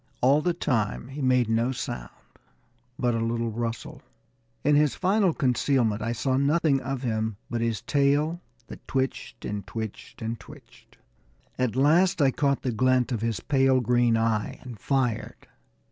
All the time he made no sound but a little rustle. In his final concealment I saw nothing of him but his tail, that twitched and twitched and twitched. At last I caught the glint of his pale green eye and fired.